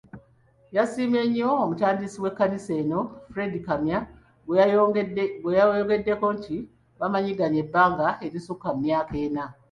Yasiimye nnyo omutandisi w'ekkanisa eno Fred Kamya gwe yayogeddeko nti bamanyiganye ebbanga erisukka emyaka ana.